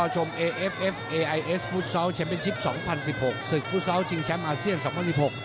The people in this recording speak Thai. ช่วยเข้าไปก่อนนะครับ